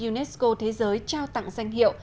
unesco thế giới trao tặng danh hiệu